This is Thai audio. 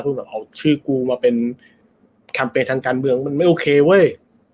เพื่อแบบเอาชื่อกูมาเป็นแคมเปญทางการเมืองมันไม่โอเคเว้ย